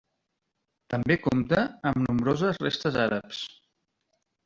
També compta amb nombroses restes àrabs.